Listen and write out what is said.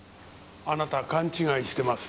あなた勘違いしてます。